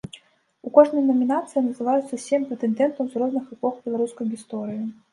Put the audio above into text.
У кожнай намінацыі называюцца сем прэтэндэнтаў з розных эпох беларускай гісторыі.